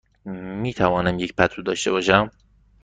می توانم یک پتو داشته باشم؟